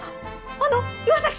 あの岩崎様！？